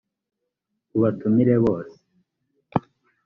ubatumire bose.